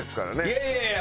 いやいやいや。